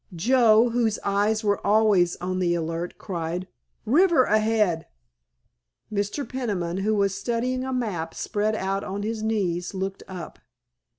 Joe, whose eyes were always on the alert, cried, "River ahead!" Mr. Peniman, who was studying a map spread out on his knees, looked up.